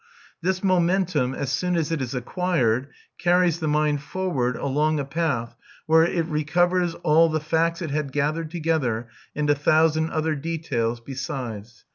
This momentum, as soon as it is acquired, carries the mind forward along a path where it recovers all the facts it had gathered together, and a thousand other details besides.